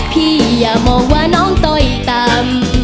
พี่อย่ามองว่าน้องโต๊ยต่ำ